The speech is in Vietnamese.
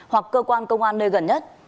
hoặc cơ quan công an nơi gần nhất